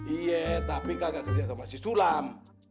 iya tapi kakak kerja sama si sulam